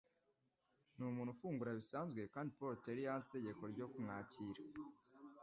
Ni umuntu ufungura bisanzwe, kandi Paul Terry yanze itegeko ryo kumwakira